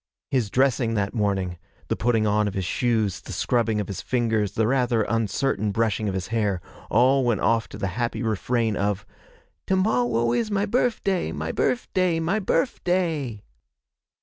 His dressing that morning the putting on of his shoes, the scrubbing of his fingers, the rather uncertain brushing of his hair all went off to the happy refrain of 'To mowwow is my birfday, my birfday, my birfday!'